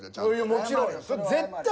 もちろんよ。